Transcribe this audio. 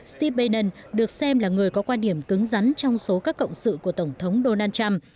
step benn được xem là người có quan điểm cứng rắn trong số các cộng sự của tổng thống donald trump